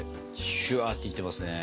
シュワっていってますね。